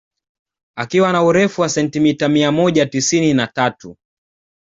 Akiwa na urefu wa sentimeta mia moja tisini na tatu